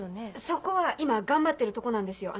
そこは今頑張ってるとこなんですよ。